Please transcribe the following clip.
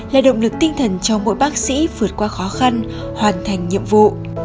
là động lực tinh thần cho mỗi bác sĩ vượt qua khó khăn hoàn thành nhiệm vụ